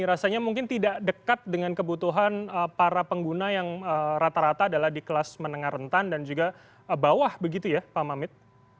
rasanya mungkin tidak dekat dengan kebutuhan para pengguna yang rata rata adalah di kelas menengah rentan dan juga bawah begitu ya pak mamit